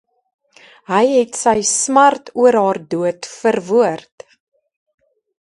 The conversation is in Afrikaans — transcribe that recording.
Hy het sy smart oor haar dood verwoord.